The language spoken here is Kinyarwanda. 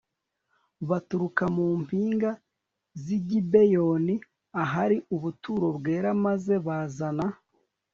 baturuka mu mpinga z'i gibeyoni ahari ubuturo bwera maze bazana